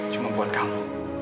cuma buat kamu